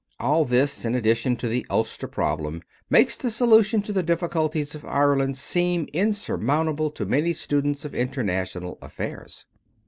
All this, in addition to the Ulster problem, makes the solution of the difficulties of Ireland seem insurmountable to many students of international affairs.